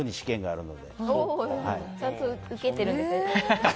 ちゃんと受けてるんですね。